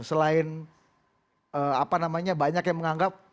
selain apa namanya banyak yang menganggap